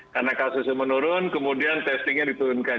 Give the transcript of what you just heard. karena kasusnya menurun kemudian testingnya diturunkan